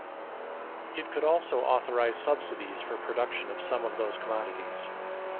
It could also authorize subsidies for production of some of those commodities.